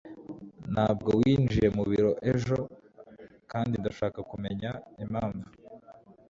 Ntabwo winjiye mubiro ejo kandi ndashaka kumenya impamvu.